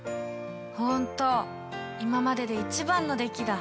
本当今までで一番の出来だ。